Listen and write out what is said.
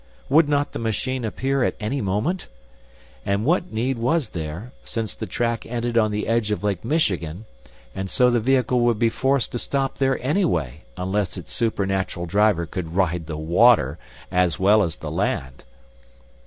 Would not the machine appear at any moment? And what need was there, since the track ended on the edge of Lake Michigan, and so the vehicle would be forced to stop there anyway, unless its supernatural driver could ride the water as well as the land.